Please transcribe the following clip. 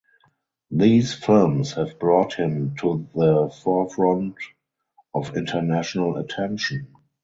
These films have brought him to the forefront of international attention.